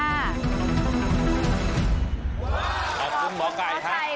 ขอบคุณหมอไก่ค่ะขอบคุณหมอไก่ค่ะ